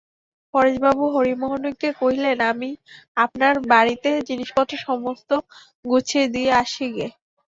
পরেশবাবু হরিমোহিনীকে কহিলেন, আমি আপনার বাড়িতে জিনিসপত্র সমস্ত গুছিয়ে দিয়ে আসি গে।